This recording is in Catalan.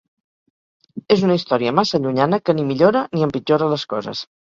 És una història massa llunyana que ni millora ni empitjora les coses.